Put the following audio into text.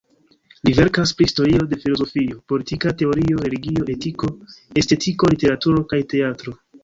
Li verkas pri historio de filozofio, politika teorio, religio, etiko, estetiko, literaturo kaj teatro.